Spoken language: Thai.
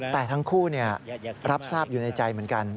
แต่ทั้งคู่รับทราบอยู่ในใจเหมือนกัน